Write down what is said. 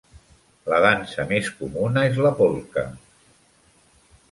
La dansa més comuna és la polska.